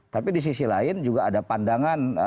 tapi di sisi lain juga ada pandangan